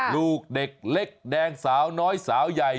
ลูกเด็กเล็กแดงสาวน้อยสาวใหญ่